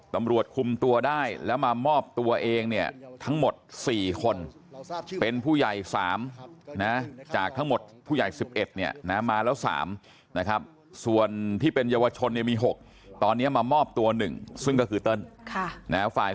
ถ้าเขาไม่ได้ทำจริงครับ